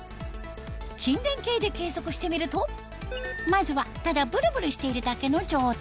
筋電計で計測してみるとまずはただブルブルしているだけの状態